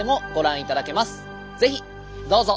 是非どうぞ。